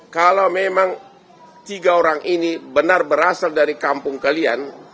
kalau memang tiga orang ini benar berasal dari kampung kalian